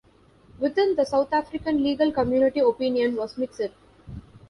Within the South African legal community opinion was mixed.